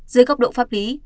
dưới góc độ pháp lý